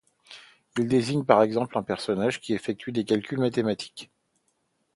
Il désigne par exemple une personne qui effectue des calculs mathématiques.